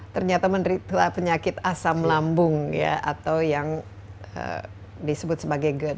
ternyata menderita penyakit asam lambung ya atau yang disebut sebagai gerd